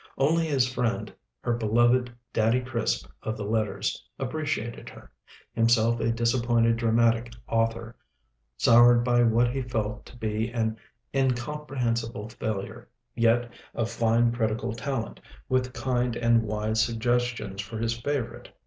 Only his friend, her beloved "Daddy Crisp" of the letters, appreciated her; himself a disappointed dramatic author, soured by what he felt to be an incomprehensible failure, yet of fine critical talent, with kind and wise suggestions for his favorite Fanny.